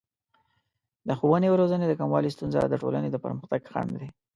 د ښوونې او روزنې د کموالي ستونزه د ټولنې د پرمختګ خنډ دی.